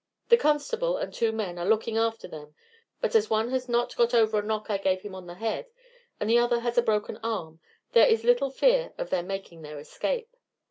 The constable and two men are looking after them, but as one has not got over a knock I gave him on the head, and the other has a broken arm, there is little fear of their making their escape.